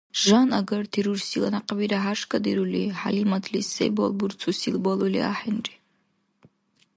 Жан агарти рурсила някъбира хӀяршкадирули, ХӀялиматли се балбурцусил балули ахӀенри.